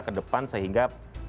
ke depan sehingga